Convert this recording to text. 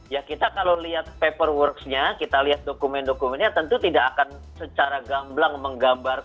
ya kita kalau lihat paperworks nya kita lihat dokumen dokumennya tentu tidak akan secara gamblang menggambar